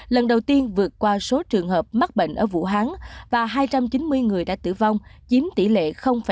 lần đầu tiên vượt qua số trường hợp mắc bệnh ở vũ hán và hai trăm chín mươi người đã tử vong chiếm tỷ lệ năm mươi năm